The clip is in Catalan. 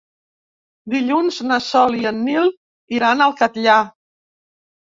Dilluns na Sol i en Nil iran al Catllar.